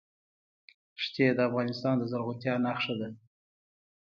ښتې د افغانستان د زرغونتیا نښه ده.